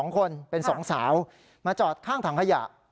๒คนเป็น๒สาวมาจอดข้างถังขยะ